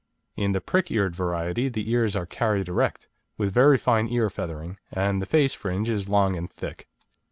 In the prick eared variety the ears are carried erect, with very fine ear feathering, and the face fringe is long and thick.